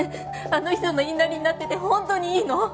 あの人の言いなりになっててホントにいいの？